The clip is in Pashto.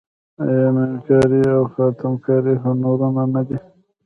آیا میناکاري او خاتم کاري هنرونه نه دي؟